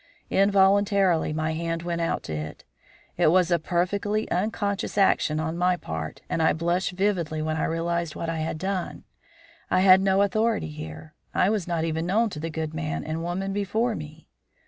Involuntarily my hand went out to it. It was a perfectly unconscious action on my part, and I blushed vividly when I realised what I had done. I had no authority here. I was not even known to the good man and woman before me.